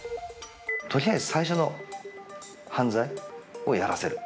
とりあえず最初の犯罪をやらせる。